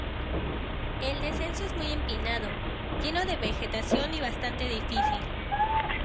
El descenso es muy empinado, lleno de vegetación y bastante difícil.